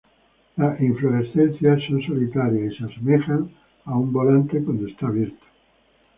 Las inflorescencias son solitarias y se asemejan a un volante cuando está abierto.